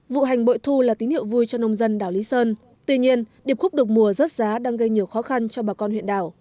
vụ hành bội thu là tín hiệu vui cho nông dân đảo lý sơn tuy nhiên điệp khúc được mùa rớt giá đang gây nhiều khó khăn cho bà con huyện đảo